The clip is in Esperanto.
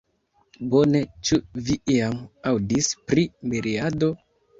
Bone, ĉu vi iam aŭdis pri miriado?